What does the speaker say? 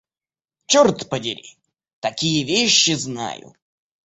Чёрт подери! такие вещи знаю...